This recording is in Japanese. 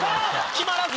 決まらず。